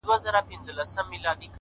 بې منزله مسافر یم، پر کاروان غزل لیکمه؛